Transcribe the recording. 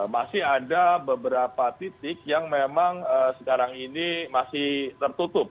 masih ada beberapa titik yang memang sekarang ini masih tertutup